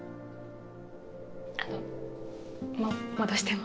あのもう戻しても。